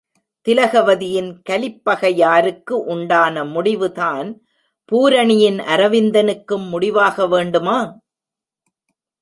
திலகவதியின் கலிப்பகையாருக்கு உண்டான முடிவு தான், பூரணியின் அரவிந்தனுக்கும் முடிவாக வேண்டுமா?